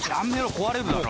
壊れるだろ。